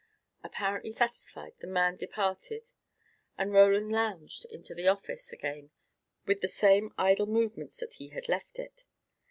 Apparently satisfied, the man departed, and Roland lounged into the office again with the same idle movements that he had left it.